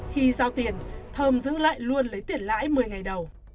khi giao tiền thơm giữ lại luôn lấy tiền lãi một mươi ngày đầu